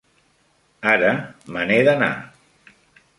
Ara me n'he d'anar.